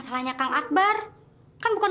salahnya kang akbar kan bukan